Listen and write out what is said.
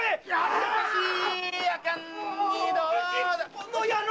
この野郎！